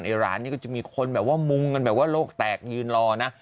ในร้านก็จะมีคนมุงกันโลกแตกยืนรอน่ะ